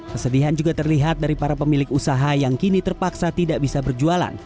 kesedihan juga terlihat dari para pemilik usaha yang kini terpaksa tidak bisa berjualan